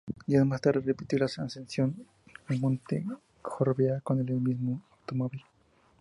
Días más tarde repitió las ascensión al monte Gorbea con el mismo automóvil.